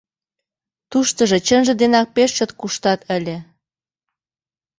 Туштыжо чынже денак пеш чот куштат ыле.